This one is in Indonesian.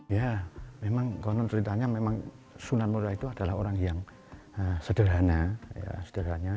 ya memang konon ceritanya memang sunan murah itu adalah orang yang sederhana